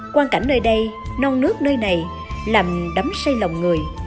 quan cảnh nơi đây non nước nơi này làm đấm say lòng người